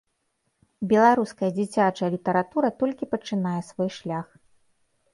Беларуская дзіцячая літаратура толькі пачынае свой шлях.